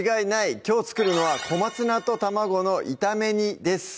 きょう作るのは「小松菜と卵の炒め煮」です